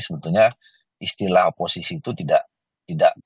sebetulnya istilah oposisi itu tidak